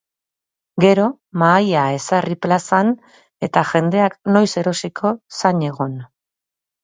Gero mahaia ezarri plazan eta jendeak noiz erosiko zain egon.